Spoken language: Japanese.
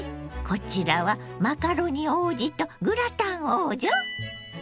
こちらはマカロニ王子とグラタン王女？